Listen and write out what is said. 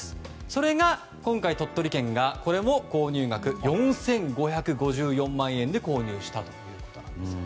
それが今回、鳥取県がこれも４５５４万円で購入したということです。